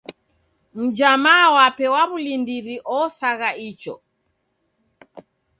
Mnjama wape wa w'ulindiri osagha icho.